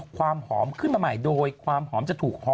ความหอมขึ้นมาใหม่โดยความหอมจะถูกหอม